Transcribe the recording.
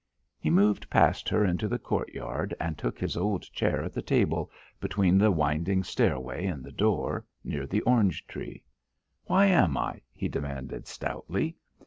He moved past her into the court yard and took his old chair at the table between the winding stairway and the door near the orange tree. "Why am I?" he demanded stoutly.